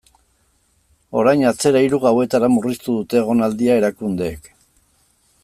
Orain, atzera hiru gauetara murriztu dute egonaldia erakundeek.